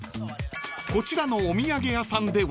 ［こちらのお土産屋さんでは］